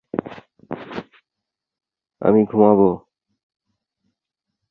তিনি নতুন বিজিত অঞ্চলগুলোর বিদ্রোহ থেকে সাম্রাজ্যকে রক্ষা করেন।